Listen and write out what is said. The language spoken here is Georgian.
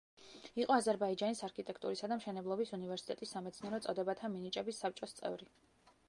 იყო აზერბაიჯანის არქიტექტურისა და მშენებლობის უნივერსიტეტის სამეცნიერო წოდებათა მინიჭების საბჭოს წევრი.